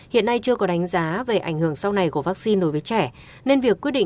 hiện nay chưa có đánh giá về ảnh hưởng sau này của vaccine đối với trẻ